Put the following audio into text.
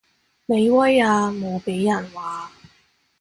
你威啊無被人話